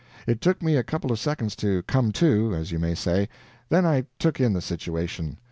It took me a couple seconds to "come to," as you may say; then I took in the situation.